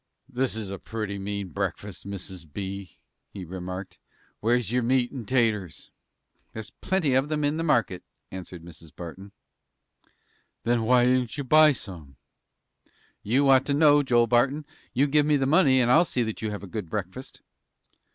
"This is a pretty mean breakfast, Mrs. B.," he remarked. "Where's your meat and taters?" "There's plenty of 'em in the market," answered Mrs. Barton. "Then, why didn't you buy some?" "You ought to know, Joel Barton. You give me the money, and I'll see that you have a good breakfast."